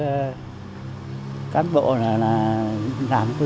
các cán bộ làm tôi nhanh lắm nhanh gọn